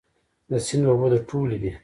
د سیند اوبه د ټولو دي؟